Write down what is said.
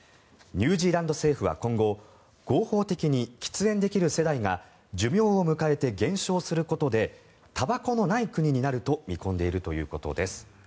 ニュージーランド政府は今後合法的に喫煙できる世代が寿命を迎えて減少することでたばこのない国になると見込んでいるということです。